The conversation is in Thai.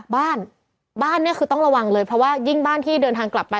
บ้านบ้านเนี่ยคือต้องระวังเลยเพราะว่ายิ่งบ้านที่เดินทางกลับมา